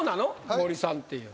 森さんっていうのは。